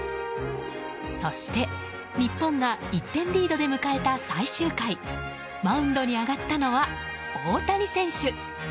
そして日本が１点リードで迎えた最終回マウンドに上がったのは大谷選手。